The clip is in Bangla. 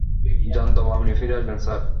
জানতাম আপনি ফিরে আসবেন, স্যার।